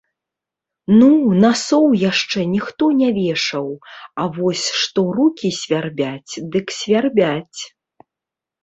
Ну, насоў яшчэ ніхто не вешаў, а вось што рукі свярбяць, дык свярбяць.